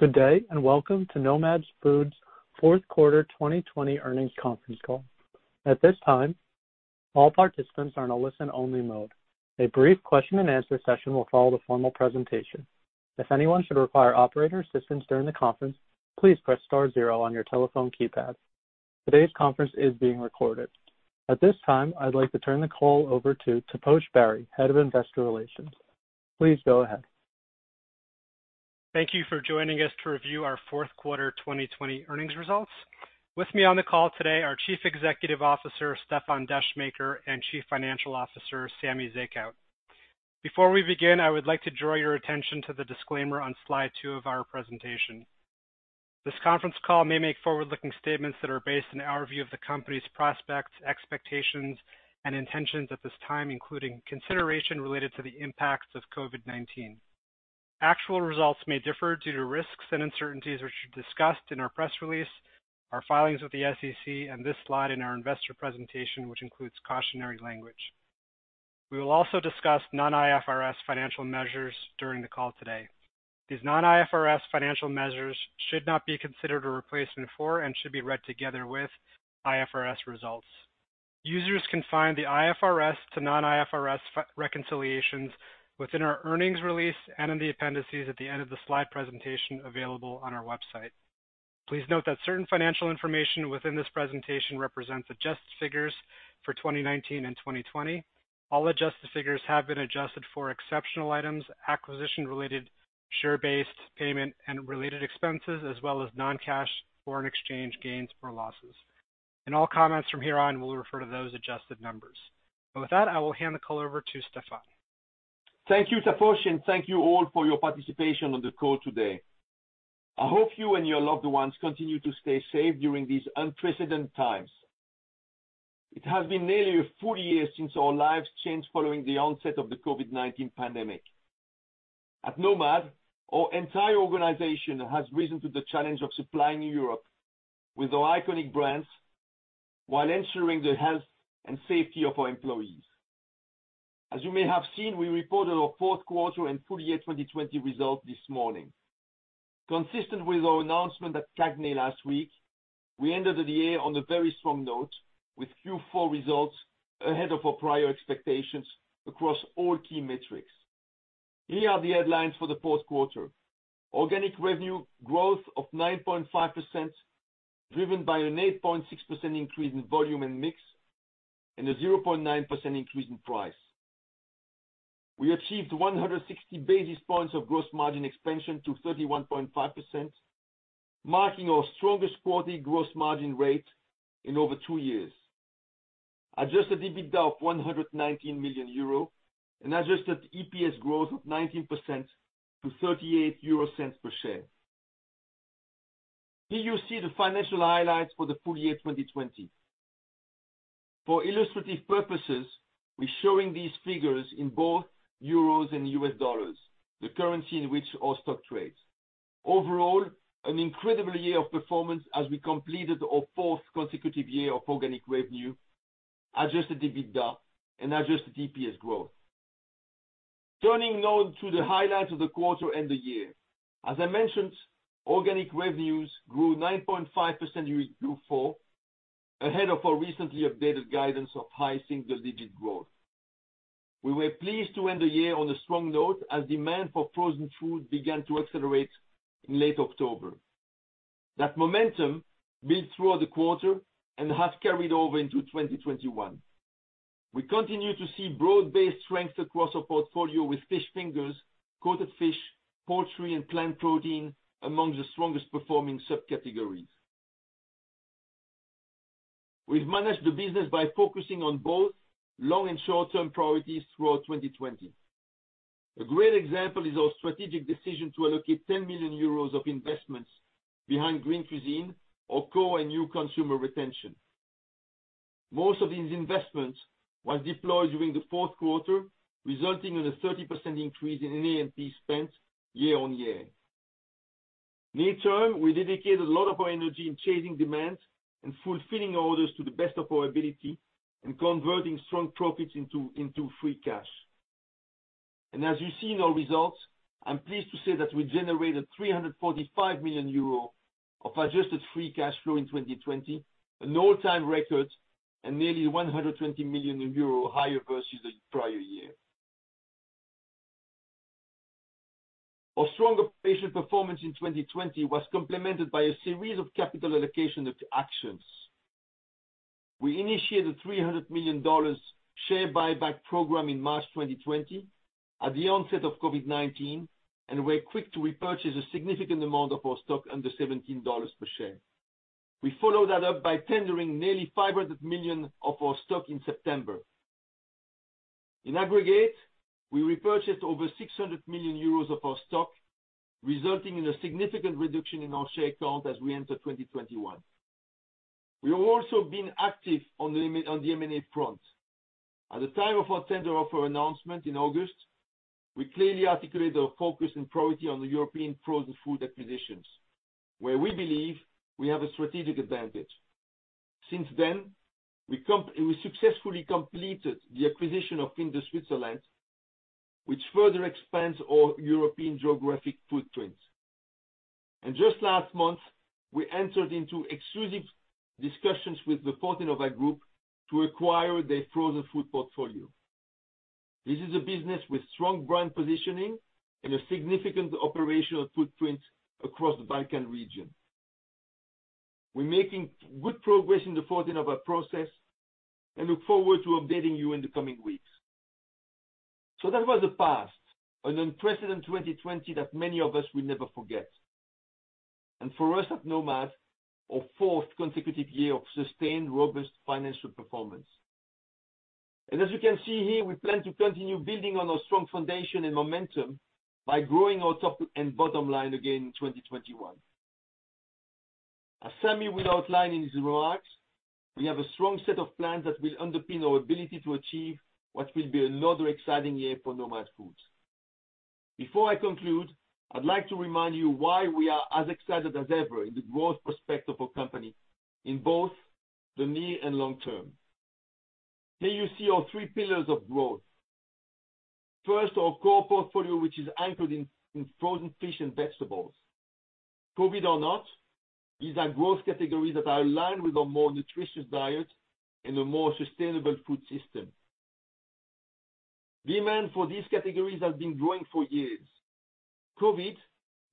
Good day. Welcome to Nomad Foods' Fourth Quarter 2020 Earnings Conference Call. At this time, all participants are in a listen only mode. A brief question and answer session will follow the formal presentation. If anyone should require operator assistance during the conference, please press star zero on your telephone keypad. Today's conference is being recorded. At this time, I'd like to turn the call over to Taposh Bari, Head of Investor Relations. Please go ahead. Thank you for joining us to review our fourth quarter 2020 earnings results. With me on the call today, our Chief Executive Officer, Stéfan Descheemaeker, and Chief Financial Officer, Samy Zekhout. Before we begin, I would like to draw your attention to the disclaimer on slide two of our presentation. This conference call may make forward-looking statements that are based on our view of the company's prospects, expectations, and intentions at this time, including consideration related to the impacts of COVID-19. Actual results may differ due to risks and uncertainties, which are discussed in our press release, our filings with the SEC, and this slide in our investor presentation, which includes cautionary language. We will also discuss non-IFRS financial measures during the call today. These non-IFRS financial measures should not be considered a replacement for, and should be read together with, IFRS results. Users can find the IFRS to non-IFRS reconciliations within our earnings release and in the appendices at the end of the slide presentation available on our website. Please note that certain financial information within this presentation represents adjusted figures for 2019 and 2020. All adjusted figures have been adjusted for exceptional items, acquisition-related share-based payment and related expenses, as well as non-cash foreign exchange gains or losses. In all comments from here on, we'll refer to those adjusted numbers. With that, I will hand the call over to Stéfan. Thank you, Taposh, and thank you all for your participation on the call today. I hope you and your loved ones continue to stay safe during these unprecedented times. It has been nearly a full year since our lives changed following the onset of the COVID-19 pandemic. At Nomad, our entire organization has risen to the challenge of supplying Europe with our iconic brands while ensuring the health and safety of our employees. As you may have seen, we reported our fourth quarter and full year 2020 results this morning. Consistent with our announcement at CAGNY last week, we ended the year on a very strong note, with Q4 results ahead of our prior expectations across all key metrics. Here are the headlines for the fourth quarter. Organic revenue growth of 9.5%, driven by an 8.6% increase in volume and mix, and a 0.9% increase in price. We achieved 160 basis points of gross margin expansion to 31.5%, marking our strongest quarterly gross margin rate in over two years. Adjusted EBITDA of 119 million euro and adjusted EPS growth of 19% to 0.38 per share. Here you see the financial highlights for the full year 2020. For illustrative purposes, we're showing these figures in both euros and U.S. dollars, the currency in which our stock trades. Overall, an incredible year of performance as we completed our fourth consecutive year of organic revenue, adjusted EBITDA, and adjusted EPS growth. Turning now to the highlights of the quarter and the year. As I mentioned, organic revenues grew 9.5% year Q4, ahead of our recently updated guidance of high single-digit growth. We were pleased to end the year on a strong note as demand for Frozen Food began to accelerate in late October. That momentum built throughout the quarter and has carried over into 2021. We continue to see broad-based strength across our portfolio with fish fingers, coated fish, poultry, and plant protein among the strongest performing subcategories. We've managed the business by focusing on both long and short-term priorities throughout 2020. A great example is our strategic decision to allocate 10 million euros of investments behind Green Cuisine, our core and new consumer retention. Most of these investments was deployed during the fourth quarter, resulting in a 30% increase in A&P spend year on year. Near term, we dedicated a lot of our energy in chasing demand and fulfilling orders to the best of our ability and converting strong profits into free cash. As you see in our results, I'm pleased to say that we generated 345 million euro of adjusted free cash flow in 2020, an all-time record and nearly 120 million euro higher versus the prior year. Our strong operational performance in 2020 was complemented by a series of capital allocation actions. We initiated a EUR 300 million share buyback program in March 2020 at the onset of COVID-19 and were quick to repurchase a significant amount of our stock under EUR 17 per share. We followed that up by tendering nearly 500 million of our stock in September. In aggregate, we repurchased over 600 million euros of our stock, resulting in a significant reduction in our share count as we enter 2021. We have also been active on the M&A front. At the time of our tender offer announcement in August, we clearly articulated our focus and priority on the European frozen food acquisitions, where we believe we have a strategic advantage. We successfully completed the acquisition of Findus Switzerland, which further expands our European geographic footprint. Just last month, we entered into exclusive discussions with the Fortenova Group to acquire their frozen food portfolio. This is a business with strong brand positioning and a significant operational footprint across the Balkan region. We're making good progress in the Fortenova process and look forward to updating you in the coming weeks. That was the past, an unprecedented 2020 that many of us will never forget. For us at Nomad, our fourth consecutive year of sustained, robust financial performance. As you can see here, we plan to continue building on our strong foundation and momentum by growing our top and bottom line again in 2021. As Samy will outline in his remarks, we have a strong set of plans that will underpin our ability to achieve what will be another exciting year for Nomad Foods. Before I conclude, I’d like to remind you why we are as excited as ever in the growth prospect of our company in both the near and long term. Here you see our three pillars of growth. First, our core portfolio, which is anchored in frozen fish and vegetables. COVID or not, these are growth categories that are aligned with a more nutritious diet and a more sustainable food system. Demand for these categories has been growing for years. COVID,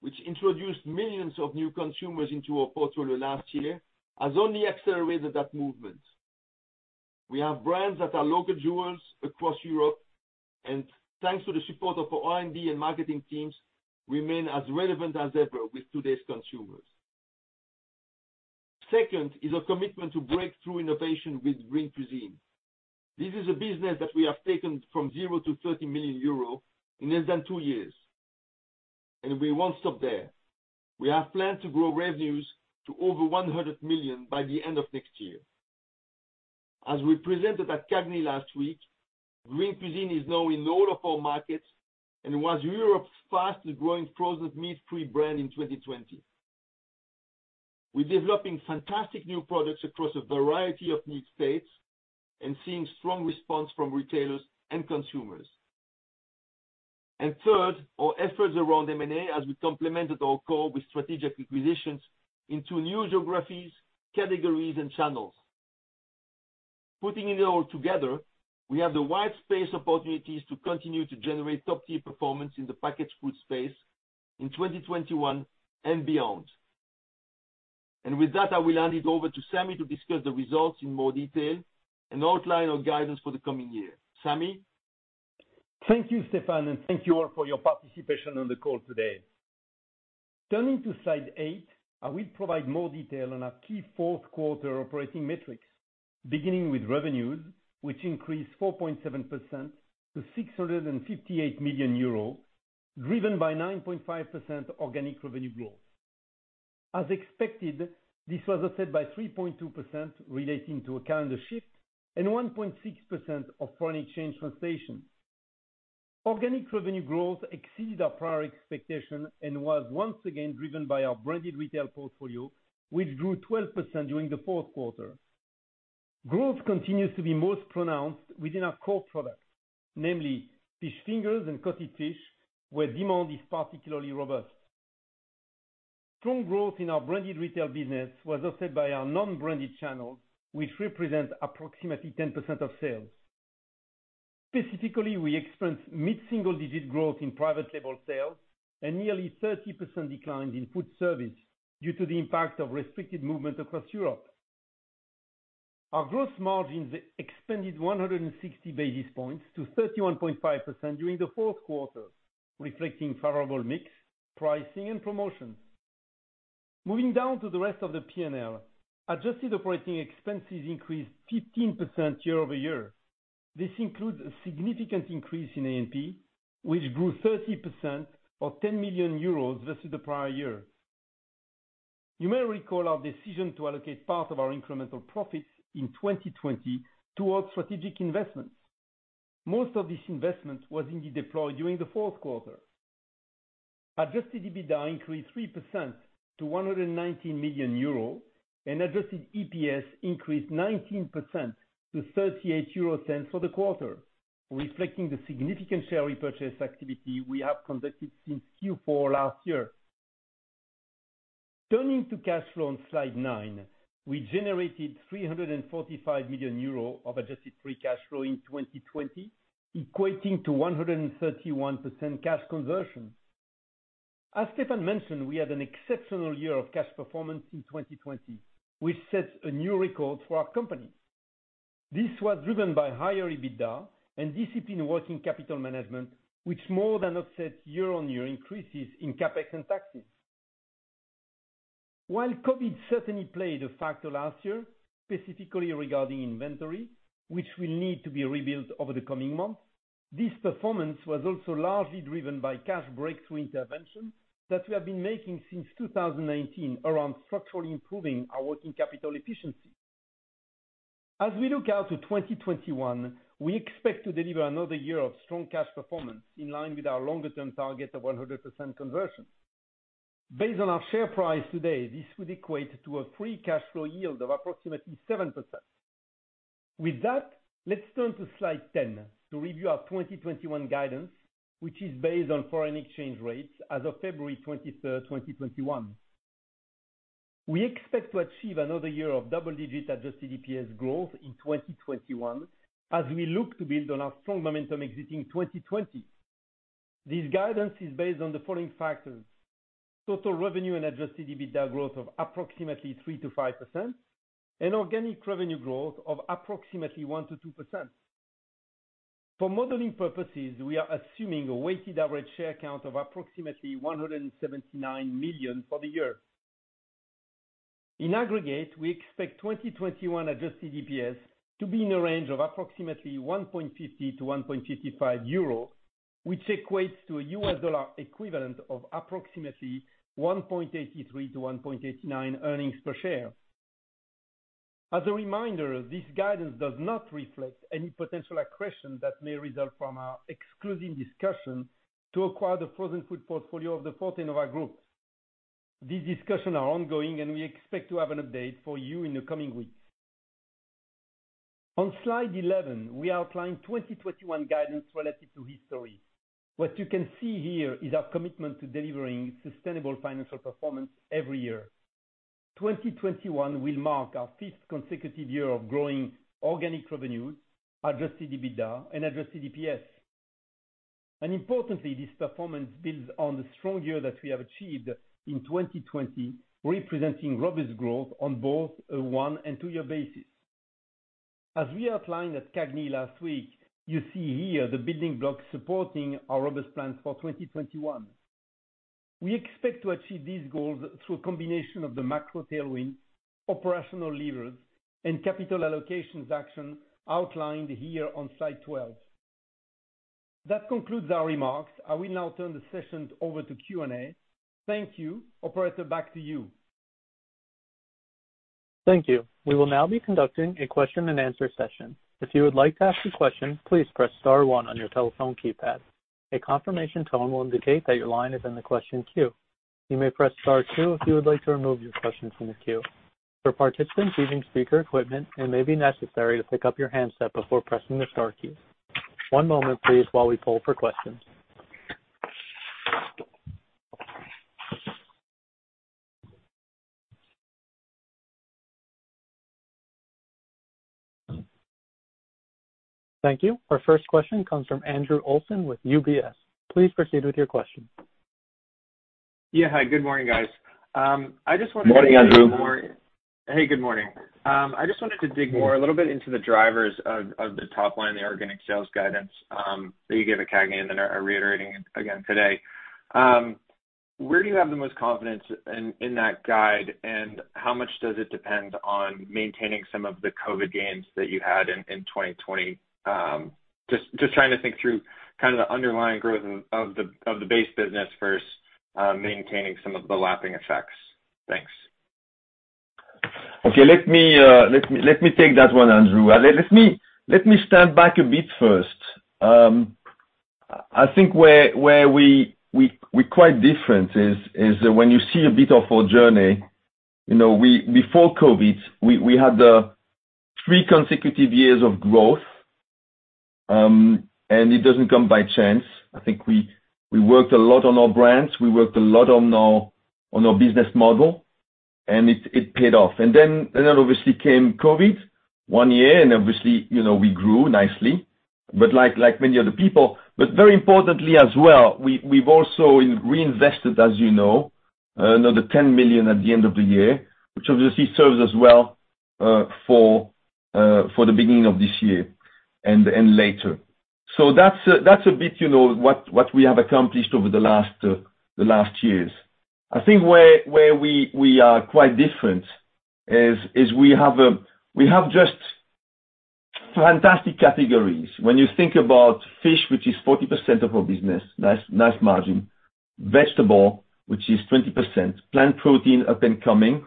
which introduced millions of new consumers into our portfolio last year, has only accelerated that movement. We have brands that are local jewels across Europe, and thanks to the support of our R&D and marketing teams, remain as relevant as ever with today's consumers. Second is our commitment to breakthrough innovation with Green Cuisine. This is a business that we have taken from zero to 30 million euro in less than two years, and we won't stop there. We have planned to grow revenues to over 100 million by the end of next year. As we presented at CAGNY last week, Green Cuisine is now in all of our markets and was Europe's fastest growing frozen meat-free brand in 2020. We're developing fantastic new products across a variety of need states and seeing strong response from retailers and consumers. Third, our efforts around M&A, as we complemented our core with strategic acquisitions into new geographies, categories, and channels. Putting it all together, we have the white space opportunities to continue to generate top tier performance in the packaged food space in 2021 and beyond. With that, I will hand it over to Samy to discuss the results in more detail and outline our guidance for the coming year. Samy? Thank you, Stéfan, and thank you all for your participation on the call today. Turning to slide eight, I will provide more detail on our key fourth quarter operating metrics, beginning with revenues, which increased 4.7% to 658 million euro, driven by 9.5% organic revenue growth. As expected, this was offset by 3.2% relating to a calendar shift and 1.6% of foreign exchange translation. Organic revenue growth exceeded our prior expectation and was once again driven by our branded retail portfolio, which grew 12% during the fourth quarter. Growth continues to be most pronounced within our core products, namely fish fingers and coated fish, where demand is particularly robust. Strong growth in our branded retail business was offset by our non-branded channels, which represent approximately 10% of sales. Specifically, we experienced mid-single-digit growth in private label sales and nearly 30% decline in food service due to the impact of restricted movement across Europe. Our gross margins expanded 160 basis points to 31.5% during the fourth quarter, reflecting favorable mix, pricing, and promotions. Moving down to the rest of the P&L, adjusted operating expenses increased 15% year-over-year. This includes a significant increase in A&P, which grew 30% or 10 million euros versus the prior year. You may recall our decision to allocate part of our incremental profits in 2020 towards strategic investments. Most of this investment was indeed deployed during the fourth quarter. Adjusted EBITDA increased 3% to 119 million euro, and adjusted EPS increased 19% to 0.38 for the quarter, reflecting the significant share repurchase activity we have conducted since Q4 last year. Turning to cash flow on slide nine, we generated 345 million euro of adjusted free cash flow in 2020, equating to 131% cash conversion. As Stéfan mentioned, we had an exceptional year of cash performance in 2020, which sets a new record for our company. This was driven by higher EBITDA and disciplined working capital management, which more than offset year-on-year increases in CapEx and taxes. While COVID certainly played a factor last year, specifically regarding inventory, which will need to be rebuilt over the coming months, this performance was also largely driven by cash breakthrough interventions that we have been making since 2019 around structurally improving our working capital efficiency. As we look out to 2021, we expect to deliver another year of strong cash performance in line with our longer-term target of 100% conversion. Based on our share price today, this would equate to a free cash flow yield of approximately 7%. With that, let's turn to slide 10 to review our 2021 guidance, which is based on foreign exchange rates as of February 23rd, 2021. We expect to achieve another year of double-digit adjusted EPS growth in 2021 as we look to build on our strong momentum exiting 2020. This guidance is based on the following factors. Total revenue and adjusted EBITDA growth of approximately 3%-5%, and organic revenue growth of approximately 1%-2%. For modeling purposes, we are assuming a weighted average share count of approximately 179 million for the year. In aggregate, we expect 2021 adjusted EPS to be in the range of approximately 1.50-1.55 euro, which equates to a U.S. dollar equivalent of approximately $1.83-$1.89 earnings per share. As a reminder, this guidance does not reflect any potential accretion that may result from our exclusive discussion to acquire the frozen food portfolio of the Fortenova Group. These discussions are ongoing, and we expect to have an update for you in the coming weeks. On slide 11, we outline 2021 guidance relative to history. What you can see here is our commitment to delivering sustainable financial performance every year. 2021 will mark our fifth consecutive year of growing organic revenues, adjusted EBITDA, and adjusted EPS. Importantly, this performance builds on the strong year that we have achieved in 2020, representing robust growth on both a one and two-year basis. As we outlined at CAGNY last week, you see here the building blocks supporting our robust plans for 2021. We expect to achieve these goals through a combination of the macro tailwinds, operational levers, and capital allocations action outlined here on slide 12. That concludes our remarks. I will now turn the session over to Q&A. Thank you. Operator, back to you. Thank you. We will now be conducting a question and answer session. If you would like to ask a question, please press star one on your telephone keypad. A confirmation tone will indicate that your line is in the question queue. You may press star two if you would like to remove your question from the queue. For participants using speaker equipment, it may be necessary to pick up your handset before pressing the star key. One moment, please, while we poll for questions. Thank you. Our first question comes from Andrew Olsen with UBS. Please proceed with your question. Yeah. Hi, good morning, guys. Morning, Andrew. Hey, good morning. I just wanted to dig more a little bit into the drivers of the top line, the organic sales guidance, that you gave at CAGNY and then are reiterating again today. Where do you have the most confidence in that guide, and how much does it depend on maintaining some of the COVID gains that you had in 2020? Just trying to think through kind of the underlying growth of the base business versus maintaining some of the lapping effects. Thanks. Okay. Let me take that one, Andrew. Let me step back a bit first. I think where we're quite different is when you see a bit of our journey, before COVID, we had three consecutive years of growth. It doesn't come by chance. I think we worked a lot on our brands. We worked a lot on our business model. It paid off. Then obviously came COVID. One year, obviously, we grew nicely, like many other people. Very importantly as well, we've also reinvested, as you know, another 10 million at the end of the year, which obviously serves us well for the beginning of this year and later. That's a bit what we have accomplished over the last years. I think where we are quite different is we have just fantastic categories. When you think about fish, which is 40% of our business, nice margin. Vegetable, which is 20%. Plant protein up and coming.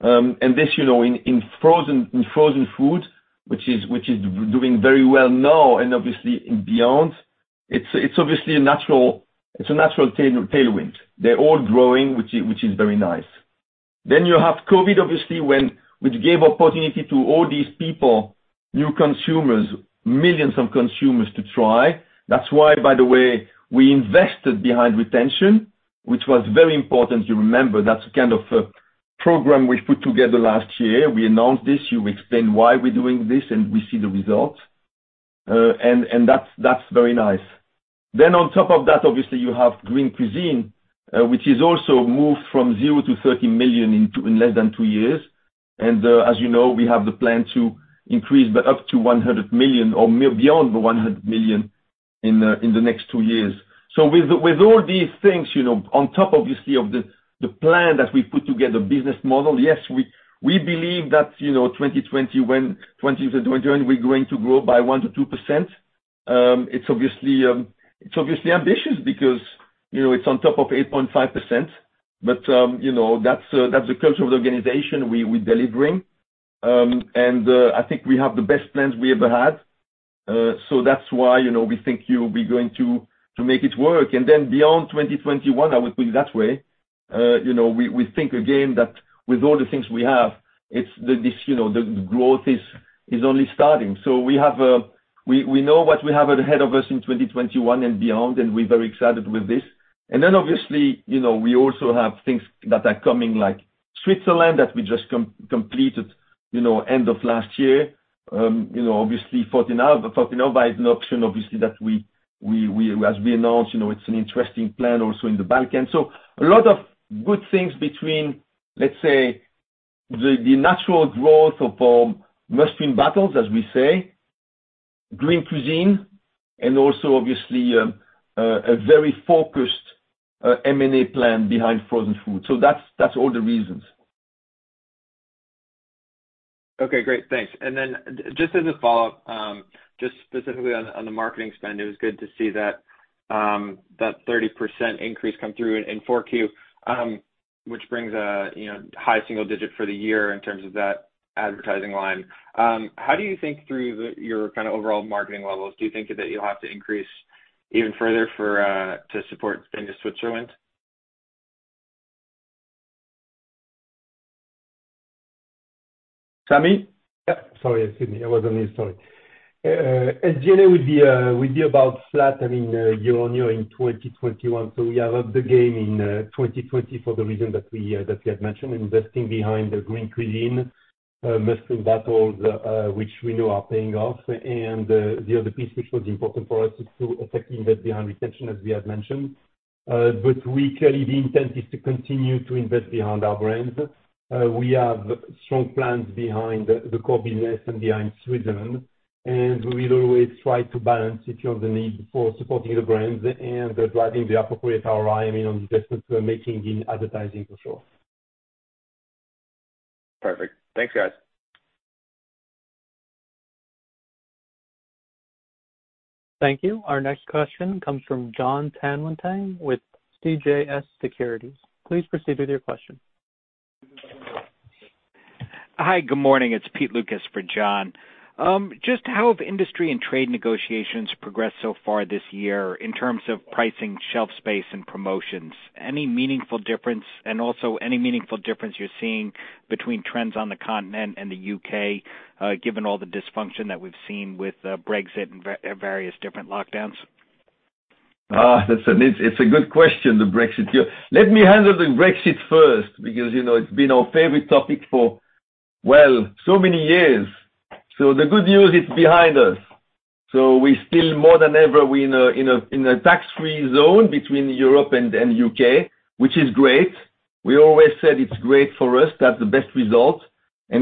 This, in Frozen Food, which is doing very well now and obviously beyond. It is obviously a natural tailwind. They are all growing, which is very nice. You have COVID, obviously, which gave opportunity to all these people, new consumers, millions of consumers to try. That is why, by the way, we invested behind retention, which was very important to remember. That is kind of a program we put together last year. We announced this, you explain why we are doing this, and we see the results. That is very nice. On top of that, obviously, you have Green Cuisine, which has also moved from zero to 30 million in less than two years. As you know, we have the plan to increase by up to 100 million or beyond the 100 million in the next two years. With all these things, on top obviously of the plan that we put together, business model, yes, we believe that 2021, we're going to grow by 1%-2%. It's obviously ambitious because it's on top of 8.5%. That's the culture of the organization. We're delivering. I think we have the best plans we ever had. That's why we think we're going to make it work. Beyond 2021, I would put it that way, we think again that with all the things we have, the growth is only starting. We know what we have ahead of us in 2021 and beyond, and we're very excited with this. Obviously, we also have things that are coming, like Switzerland, that we just completed end of last year. Obviously, Fortenova is an option, obviously, that as we announced, it's an interesting plan also in the Balkans. A lot of good things between, let's say, the natural growth of our must-win battles, as we say, Green Cuisine, and also obviously, a very focused M&A plan behind Frozen Food. That's all the reasons. Okay, great. Thanks. Just as a follow-up, just specifically on the marketing spend, it was good to see that 30% increase come through in Q4, which brings a high single digit for the year in terms of that advertising line. How do you think through your kind of overall marketing levels? Do you think that you'll have to increase even further to support spend in Switzerland? Samy? Sorry, Stéfan. I was on mute. Sorry. SG&A, we'd be about flat in year-on-year in 2021. We are up the game in 2020 for the reason that we had mentioned, investing behind the Green Cuisine, must-win battles, which we know are paying off. The other piece, which was important for us is to effectively invest behind retention, as we had mentioned. Clearly the intent is to continue to invest behind our brands. We have strong plans behind the core business and behind Switzerland, we will always try to balance if you have the need for supporting the brands and driving the appropriate ROI on the investments we're making in advertising for sure. Perfect. Thanks, guys. Thank you. Our next question comes from Jon Tanwanteng with CJS Securities. Please proceed with your question. Hi. Good morning. It's Pete Lukas for Jon. Just how have industry and trade negotiations progressed so far this year in terms of pricing, shelf space, and promotions? Any meaningful difference? Also any meaningful difference you're seeing between trends on the continent and the U.K., given all the dysfunction that we've seen with Brexit and various different lockdowns? It's a good question, the Brexit. Let me handle the Brexit first because it's been our favorite topic for, well, so many years. The good news, it's behind us. We still, more than ever, we're in a tax-free zone between Europe and U.K., which is great. We always said it's great for us to have the best result.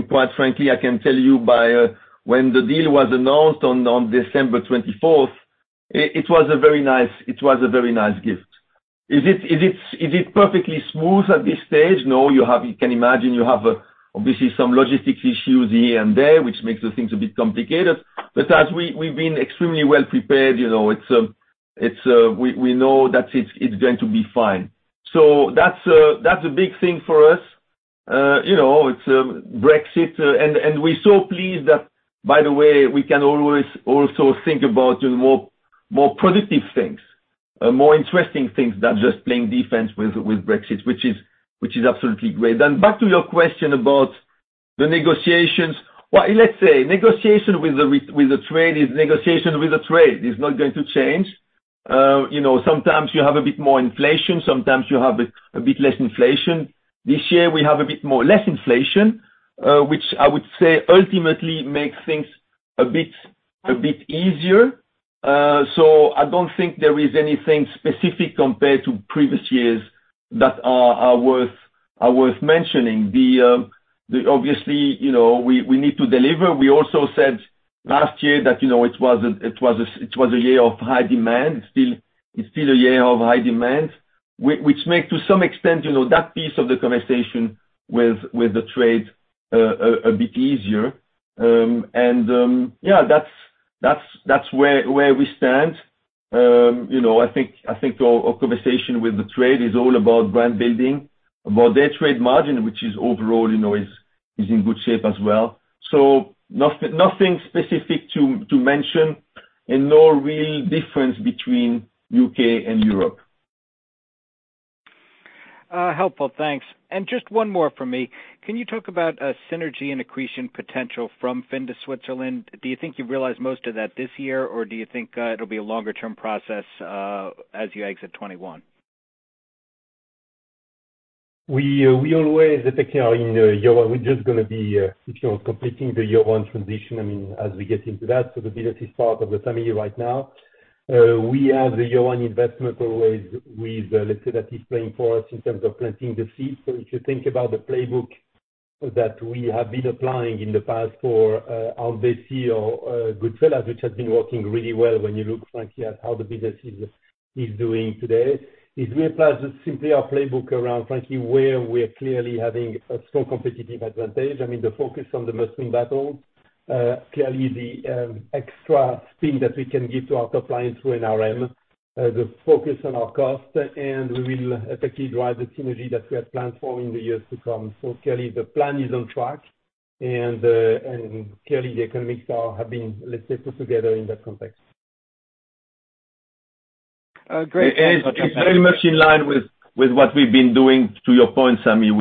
Quite frankly, I can tell you by when the deal was announced on December 24th, it was a very nice gift. Is it perfectly smooth at this stage? No. You can imagine you have obviously some logistics issues here and there, which makes the things a bit complicated. As we've been extremely well prepared, we know that it's going to be fine. That's a big thing for us. It's Brexit. We're so pleased that, by the way, we can always also think about more productive things, more interesting things than just playing defense with Brexit, which is absolutely great. Back to your question about the negotiations. Let's say negotiation with the trade is negotiation with the trade. It's not going to change. Sometimes you have a bit more inflation, sometimes you have a bit less inflation. This year, we have a bit less inflation, which I would say ultimately makes things a bit easier. I don't think there is anything specific compared to previous years that are worth mentioning. Obviously, we need to deliver. We also said last year that it was a year of high demand. It's still a year of high demand, which makes to some extent, that piece of the conversation with the trade a bit easier. Yeah, that's where we stand. I think our conversation with the trade is all about brand building, about their trade margin, which is overall is in good shape as well. Nothing specific to mention and no real difference between U.K. and Europe. Helpful. Thanks. Just one more from me. Can you talk about synergy and accretion potential from Findus Switzerland? Do you think you've realized most of that this year, or do you think it'll be a longer-term process as you exit 2021? We're just going to be completing the year one transition, I mean, as we get into that. The business is part of the family right now. We have the year one investment always with, let's say, that is playing for us in terms of planting the seeds. If you think about the playbook that we have been applying in the past for Aunt Bessie's or Goodfella's, which has been working really well when you look frankly at how the business is doing today, is we applied just simply our playbook around frankly, where we're clearly having a strong competitive advantage. I mean, the focus on the must-win battles, clearly the extra spin that we can give to our top line through an NRM, the focus on our cost, and we will effectively drive the synergy that we have planned for in the years to come. Clearly the plan is on track, and clearly the economics have been, let's say, put together in that context. Great. Thanks. It's very much in line with what we've been doing, to your point, Samy,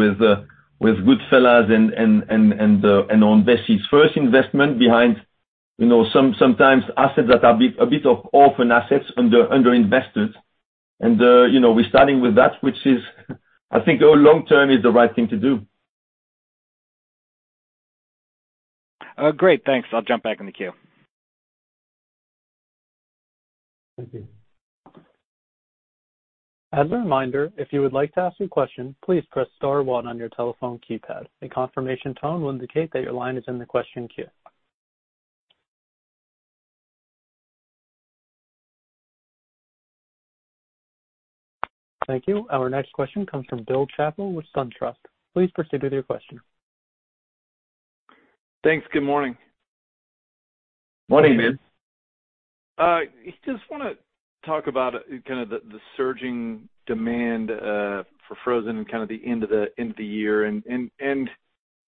with Goodfella's and Aunt Bessie's first investment behind sometimes assets that are a bit of orphan assets, under-invested. We're starting with that, which is, I think long-term is the right thing to do. Great. Thanks. I'll jump back in the queue. Thank you. As a reminder, if you would like to ask a question, please press star one on your telephone keypad. A confirmation tone will indicate that your line is in the question queue. Thank you. Our next question comes from Bill Chappell with SunTrust. Please proceed with your question. Thanks. Good morning. Morning, Bill. Just want to talk about kind of the surging demand for frozen and kind of the end of the year and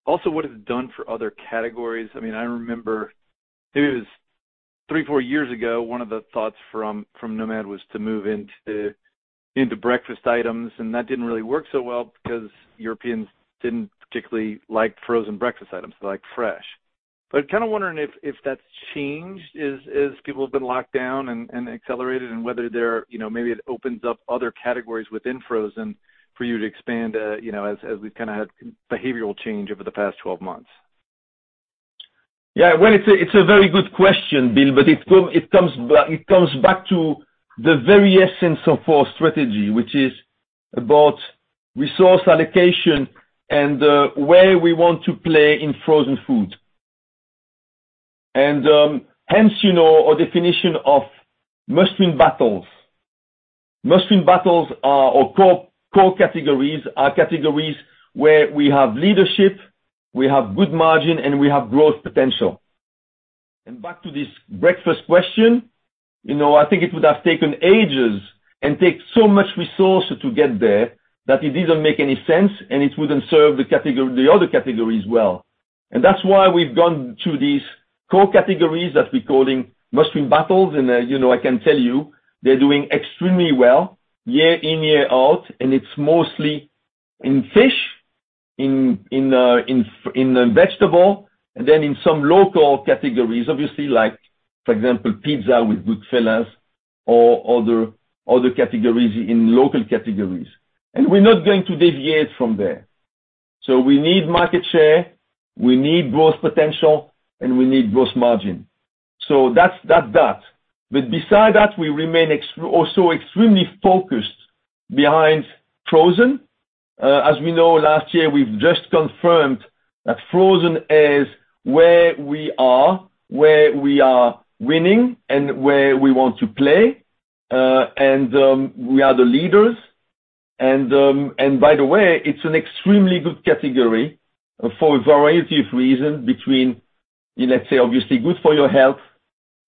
also what it's done for other categories. I remember it was three, four years ago, one of the thoughts from Nomad was to move into breakfast items, and that didn't really work so well because Europeans didn't particularly like frozen breakfast items. They like fresh. Kind of wondering if that's changed as people have been locked down and accelerated and whether maybe it opens up other categories within frozen for you to expand as we've kind of had behavioral change over the past 12 months. Yeah. Well, it's a very good question, Bill. It comes back to the very essence of our strategy, which is about resource allocation and where we want to play in Frozen Food. Hence, our definition of must-win battles. Must-win battles are our core categories, are categories where we have leadership, we have good margin, and we have growth potential. Back to this breakfast question, I think it would have taken ages and take so much resources to get there that it didn't make any sense, and it wouldn't serve the other categories well. That's why we've gone to these core categories that we're calling must-win battles. I can tell you, they're doing extremely well year in, year out, and it's mostly in fish, in vegetable, and then in some local categories, obviously, like for example, pizza with Goodfella's or other categories in local categories. We're not going to deviate from there. We need market share, we need growth potential, and we need growth margin. That's that. Beside that, we remain also extremely focused behind frozen. As we know, last year, we've just confirmed that frozen is where we are, where we are winning, and where we want to play. We are the leaders. By the way, it's an extremely good category for a variety of reasons between, let's say, obviously good for your health,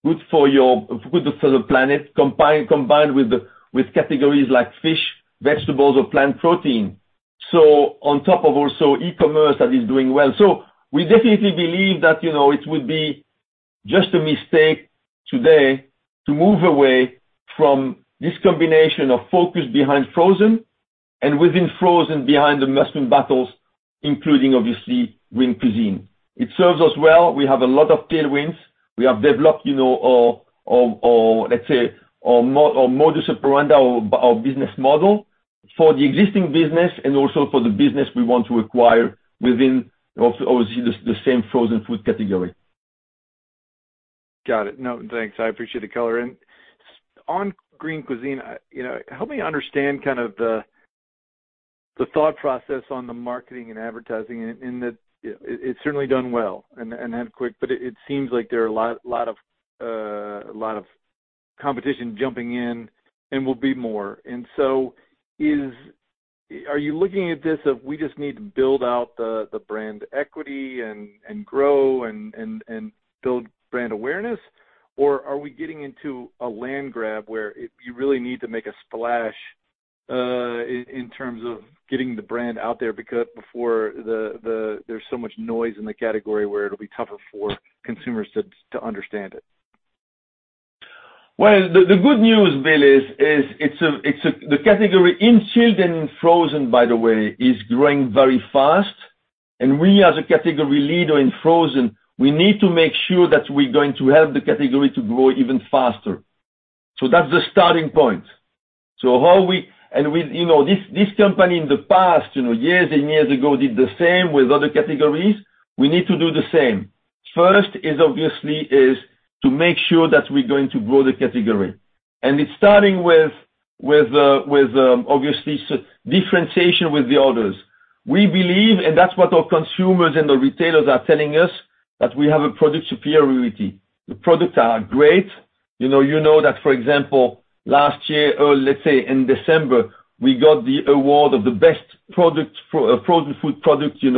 good for the planet, combined with categories like fish, vegetables, or plant protein. On top of also e-commerce that is doing well. We definitely believe that it would be just a mistake today to move away from this combination of focus behind frozen and within frozen behind the must-win battles, including obviously Green Cuisine. It serves us well. We have a lot of tailwinds. We have developed our modus operandi, our business model for the existing business and also for the business we want to acquire within obviously the same Frozen Food category. Got it. No, thanks. I appreciate the color. On Green Cuisine, help me understand kind of the thought process on the marketing and advertising, and it's certainly done well and had quick, but it seems like there are a lot of competition jumping in and will be more. Are you looking at this as we just need to build out the brand equity and grow and build brand awareness? Or are we getting into a land grab where you really need to make a splash in terms of getting the brand out there before there's so much noise in the category where it'll be tougher for consumers to understand it? The good news, Bill, is the category in chilled and frozen, by the way, is growing very fast. We, as a category leader in frozen, we need to make sure that we're going to help the category to grow even faster. That's the starting point. This company in the past, years and years ago, did the same with other categories. We need to do the same. First is obviously to make sure that we're going to grow the category. It's starting with obviously differentiation with the others. We believe, and that's what our consumers and the retailers are telling us, that we have a product superiority. The products are great. You know that, for example, last year, or let's say in December, we got the award of the Best Frozen Food Product in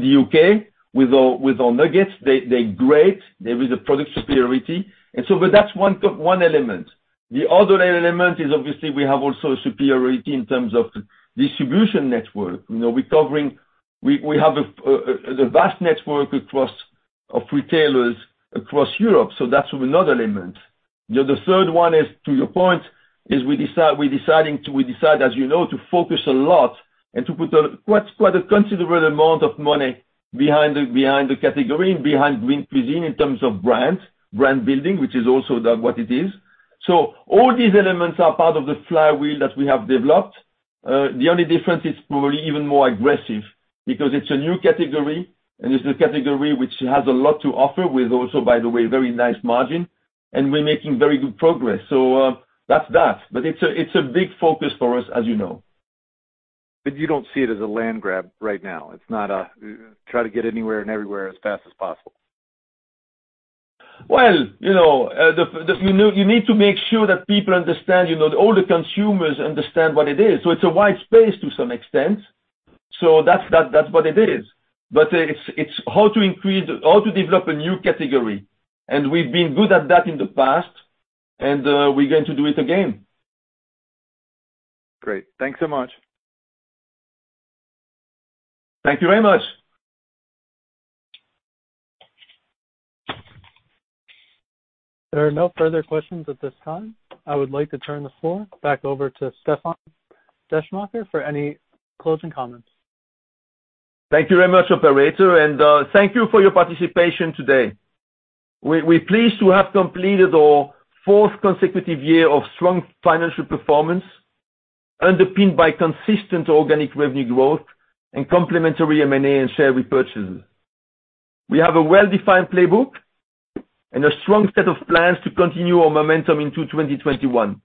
the U.K. with our nuggets. They're great. There is a product superiority. That's one element. The other element is obviously we have also a superiority in terms of distribution network. We have the vast network across retailers across Europe, that's another element. The third one is, to your point, is we decide, as you know, to focus a lot and to put quite a considerable amount of money behind the category and behind Green Cuisine in terms of brand building, which is also what it is. All these elements are part of the flywheel that we have developed. The only difference, it's probably even more aggressive because it's a new category, and it's a category which has a lot to offer with also, by the way, very nice margin, and we're making very good progress. That's that. It's a big focus for us, as you know. You don't see it as a land grab right now. It's not a try to get anywhere and everywhere as fast as possible. You need to make sure that people understand, all the consumers understand what it is. It's a white space to some extent. That's what it is. It's how to increase, how to develop a new category. We've been good at that in the past, and we're going to do it again. Great. Thanks so much. Thank you very much. There are no further questions at this time. I would like to turn the floor back over to Stéfan Descheemaeker for any closing comments. Thank you very much, operator, and thank you for your participation today. We are pleased to have completed our fourth consecutive year of strong financial performance, underpinned by consistent organic revenue growth and complementary M&A and share repurchases. We have a well-defined playbook and a strong set of plans to continue our momentum into 2021.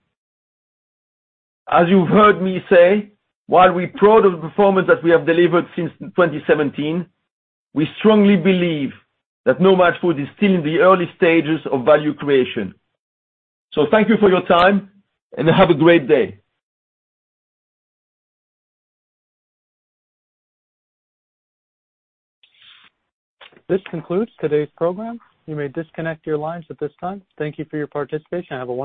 As you have heard me say, while we are proud of the performance that we have delivered since 2017, we strongly believe that Nomad Foods is still in the early stages of value creation. So thank you for your time, and have a great day. This concludes today's program. You may disconnect your lines at this time. Thank you for your participation. Have a wonderful day.